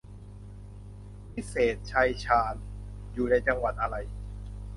วิเศษชัยชาญ อยู่ในจังหวัดอะไร